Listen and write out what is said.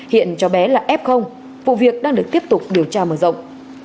hiện cháu bé là f vụ việc đang được tiếp tục điều tra mở rộng